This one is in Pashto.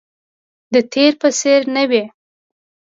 د تیر په څیر نه وي